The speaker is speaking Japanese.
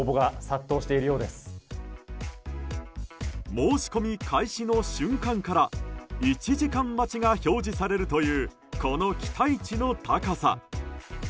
申し込み開始の瞬間から「１時間待ち」が表示されるというこの期待値の高さ。